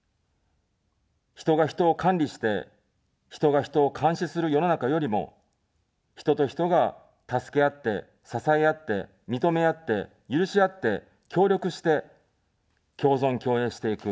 人が人を管理して、人が人を監視する世の中よりも、人と人が助け合って、支え合って、認め合って、許し合って、協力して、共存共栄していく。